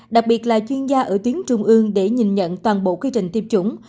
đặc biệt là chuyên gia ở tuyến trung ương để nhìn nhận toàn bộ quy trình tiêm chủng